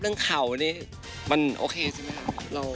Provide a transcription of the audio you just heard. เรื่องเข่านี่มันโอเคสิไหมครับ